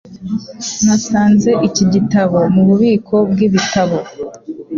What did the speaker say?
Nasanze iki gitabo mububiko bwibitabo.